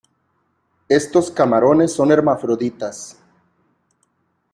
Estos camarones son hermafroditas.